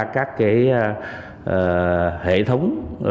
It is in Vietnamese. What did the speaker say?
các cái hệ thống